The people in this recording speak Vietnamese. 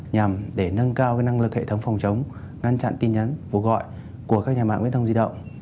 nhằm để nâng cao cái năng lực hệ thống phòng chống ngăn chặn tin nhắn vụ gọi của các nhà mạng viên thông di động